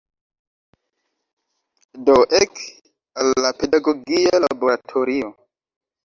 Do ek al la pedagogia laboratorio.